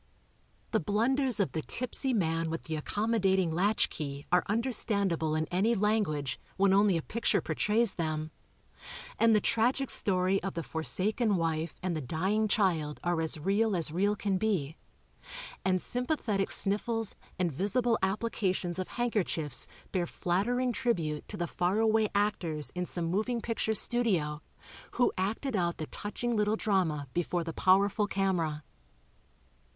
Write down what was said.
The blunders of the tipsy man with the accommodating latch key are understandable in any language, when only a picture portrays them, and the tragic story of the forsaken wife and the dying child are as real as real can be, and sympathetic snif fles and visible applications of handkerchiefs bear flattering tribue to the far away actors in some moving picture studio, who acted out the touching little drama before the powerful camera.